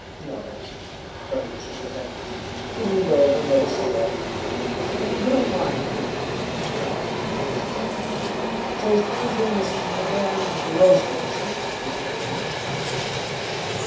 "No." Burnaby shook his head. He leaned over and lit a cigarette. "You don't mind, do you?" he asked. He raised his eyes. "So he's conjuring this Madame de Rochefort, is he?" he concluded.